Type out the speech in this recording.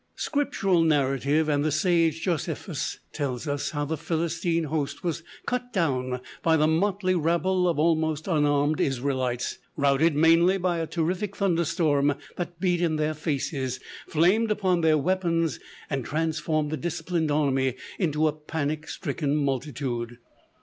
Scriptural narrative and the sage Josephus tell us how the Philistine host were cut down by the motley rabble of almost unarmed Israelites, routed mainly by a terrific thunder storm that beat in their faces, flamed upon their weapons, and transformed the disciplined army into a panic stricken multitude.